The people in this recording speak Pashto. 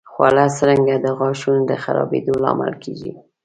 خواړه څرنګه د غاښونو د خرابېدو لامل کېږي؟